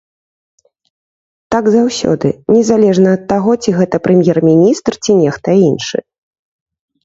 Так заўсёды, незалежна ад таго, ці гэта прэм'ер-міністр, ці нехта іншы.